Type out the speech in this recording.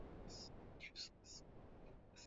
juhudi ambazo zinafanywa na alasan watera